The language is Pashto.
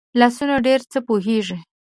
لاسونه ډېر څه پوهېږي